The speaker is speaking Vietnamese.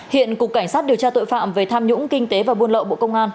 hiện cục cảnh sát điều tra tội phạm về tham nhũng kinh tế và buôn lậu bộ công an